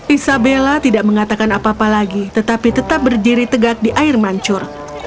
isabella tidak mengatakan apa apa lagi tetapi tetap berdiri tegak di air mancur